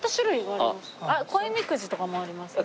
あっ恋みくじとかもありますね。